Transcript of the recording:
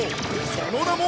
その名も